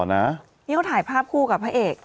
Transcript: นี่เขาถ่ายภาพคู่กับพระเอก